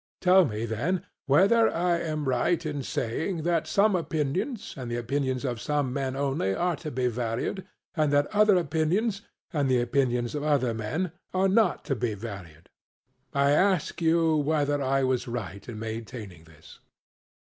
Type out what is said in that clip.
Tell me then, whether I am right in saying that some opinions, and the opinions of some men only, are to be valued, and that other opinions, and the opinions of other men, are not to be valued. I ask you whether I was right in maintaining this?